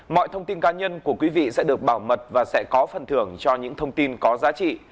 mọi thông tin cá nhân của quý vị sẽ được bảo mật và sẽ có phần thưởng cho những thông tin có giá trị